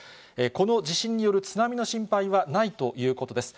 この地震による津波の心配はないということです。